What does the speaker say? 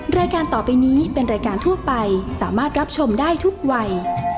รายการต่อไปนี้เป็นรายการทั่วไปสามารถรับชมได้ทุกวัย